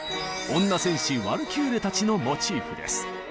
女戦士ワルキューレたちのモチーフです。